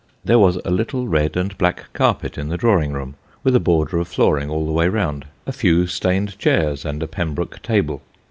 There was a little red and black carpet in the drawing room, with a border of flooring all the way round ; a few stained chairs and a pembroke table.